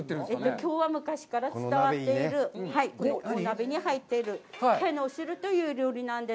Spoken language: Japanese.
きょうは昔から伝わっている鍋に入っている「けの汁」という料理なんです。